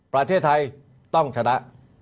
ประเทศไทยต้องชนะ